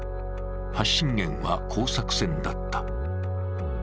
発信源は工作船だった。